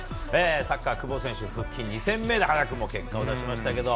サッカー、久保選手復帰２戦目で早くも結果を出しましたけれども。